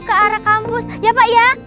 ke arah kampus ya pak ya